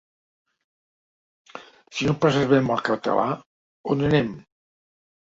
Si no preservem el català, on anem?